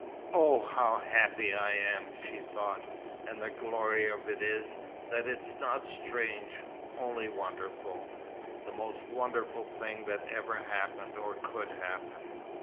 "Oh, how happy I am!" she thought. "And the glory of it is, that it's not strange only wonderful. The most wonderful thing that ever happened or could happen."